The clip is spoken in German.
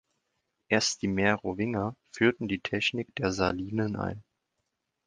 Erst die Merowinger führten die Technik der Salinen ein.